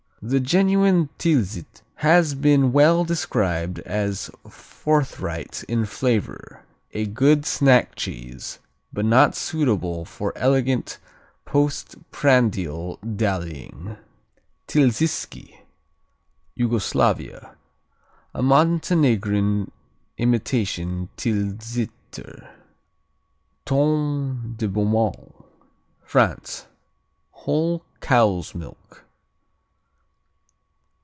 The genuine Tilsit has been well described as "forthright in flavor; a good snack cheese, but not suitable for elegant post prandial dallying." Tilziski Yugoslavia A Montenegrin imitation Tilsiter. Tome de Beaumont France Whole cow's milk.